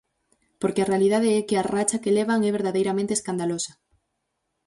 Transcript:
Porque a realidade é que a racha que levan é verdadeiramente escandalosa.